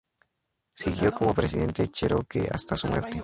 Siguió como presidente cherokee hasta su muerte.